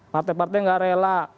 partai partai tidak rela